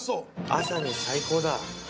朝に最高だ。